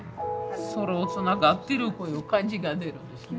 空はつながってるっていう感じが出るんですね。